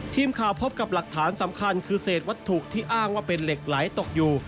พบกับหลักฐานสำคัญคือเศษวัตถุที่อ้างว่าเป็นเหล็กไหลตกอยู่